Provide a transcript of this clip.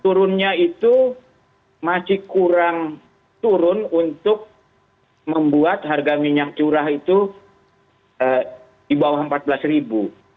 turunnya itu masih kurang turun untuk membuat harga minyak curah itu di bawah rp empat belas ribu